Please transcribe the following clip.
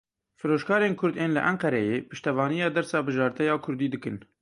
Firoşkarên Kurd ên li Enqereyê piştevaniya dersa bijarte ya kurdî dikin.